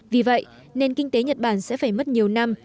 vì vậy nền kinh tế nhật bản sẽ phải mất nhiều năm